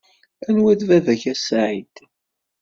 Anwa ay d baba-k a Saɛid.